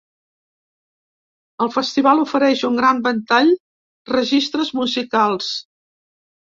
El festival ofereix un gran ventall registres musicals.